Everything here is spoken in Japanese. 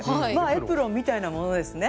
エプロンみたいなものですね。